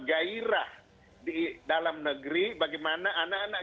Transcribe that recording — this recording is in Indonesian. gairah di dalam negeri bagaimana anak anak